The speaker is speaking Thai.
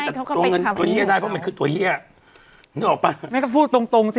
แต่ตัวเงินตัวเฮียได้เพราะมันคือตัวเฮียนึกออกป่ะแม่ก็พูดตรงตรงสิ